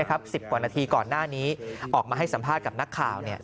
๑๐กว่านาทีก่อนหน้านี้ออกมาให้สัมภาษณ์กับนักข่าว